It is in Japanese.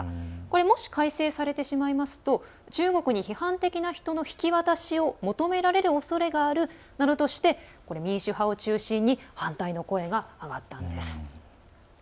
もし改正されてしまいますと中国に批判的な人の引き渡しを求められるおそれがあるなどとして民主派を中心に反対の声が上がったんです。